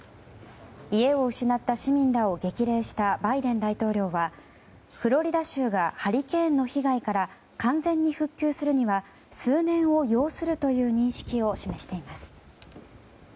家を失った市民らを激励したバイデン大統領はフロリダ州がハリケーンの被害から完全に復旧するためには数年を要するとの認識を示しています。